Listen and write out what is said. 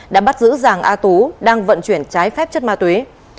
đã bắt giữ giàng a tú đang vận chuyển trái phép chất ma túy